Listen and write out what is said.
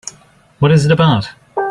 What is it about?